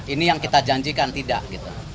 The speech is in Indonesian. ini yang kita janjikan tidak gitu